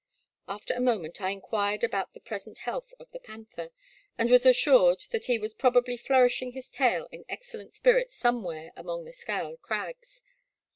After a moment I inquired about the present health of the panther, and was assured that he was probably flourishing his tail in excellent spir its somewhere among the Scaur crags.